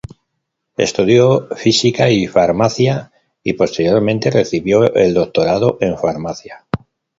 Estudió física y farmacia, y posteriormente recibió el doctorado en Farmacia.